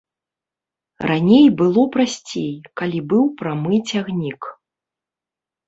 Раней было прасцей, калі быў прамы цягнік.